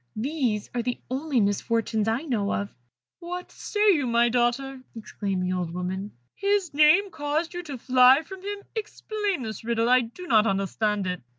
These are the only misfortunes I know of." "What say you, my daughter?" exclaimed the old woman; "his name caused you to fly from him? Explain this riddle I do not understand it."